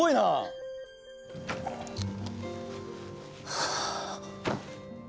はあ。